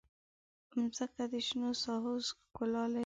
مځکه د شنو ساحو ښکلا لري.